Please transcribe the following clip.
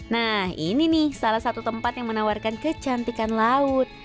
nah ini nih salah satu tempat yang menawarkan kecantikan laut